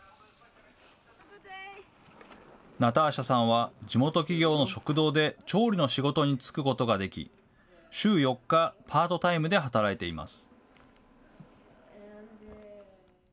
ナターシャさんは地元企業の食堂で、調理の仕事に就くことができ、週４日、パートタイムで働いています。